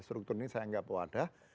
struktur ini saya anggap wadah